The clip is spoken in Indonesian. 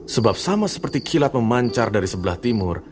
sebab sama seperti kilat memancar dari sebelah timur